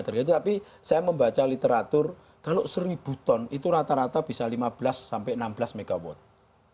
tapi saya membaca literatur kalau seribu ton itu rata rata bisa lima belas sampai enam belas mw